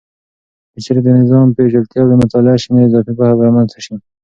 که چیرې د نظام پیچلتیاوې مطالعه سي، نو اضافي پوهه به رامنځته سي.